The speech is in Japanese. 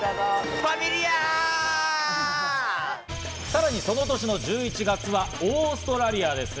さらにその年の１１月はオーストラリアです。